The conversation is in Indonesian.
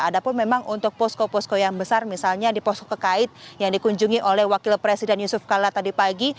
ada pun memang untuk posko posko yang besar misalnya di posko kekait yang dikunjungi oleh wakil presiden yusuf kala tadi pagi